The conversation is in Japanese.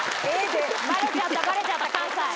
バレちゃったバレちゃった関西。